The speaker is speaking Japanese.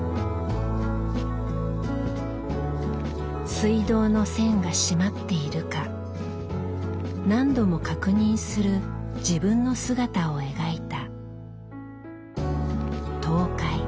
水道の栓が閉まっているか何度も確認する自分の姿を描いた「韜晦」。